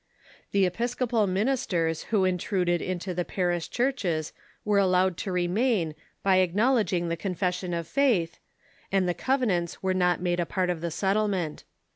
The episcopal ministers who intruded into the parish churches "Were allowed to remain by acknowledging the Confession of Faith, and the Covenants were not made a part of the settle ment.